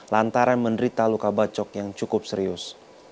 lantaran menderita luka bacok yang cukup serius